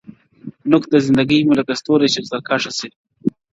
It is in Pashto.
نوك د زنده گۍ مو لكه ستوري چي سركښه سي.